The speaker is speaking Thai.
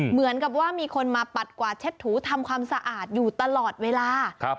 เหมือนกับว่ามีคนมาปัดกวาดเช็ดถูทำความสะอาดอยู่ตลอดเวลา